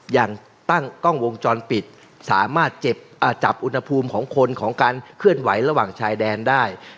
ยังตั้งกล้องวงจรปิดสามารถจับอุณหภูมิของคนของการเคลื่อนไหวระหว่างชายแดนได้